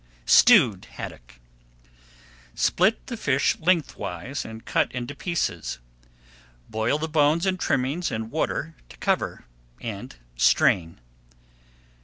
STEWED HADDOCK Split the fish lengthwise and cut into pieces. Boil the bones and trimmings in water to cover, and strain.